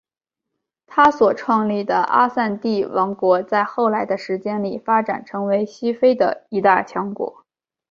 他所创立的阿散蒂王国在后来的时间里发展成为西非的一大强国。